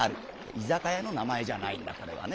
「いざかやの名前じゃないんだこれはね。